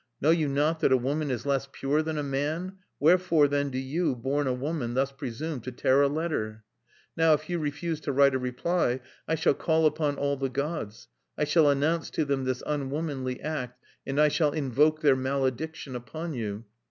"Know you not that a woman is less pure than a man? Wherefore, then, do you, born a woman, thus presume to tear a letter? "Now, if you refuse to write a reply, I shall call upon all the gods; I shall announce to them this unwomanly act, and I shall invoke their malediction upon you!"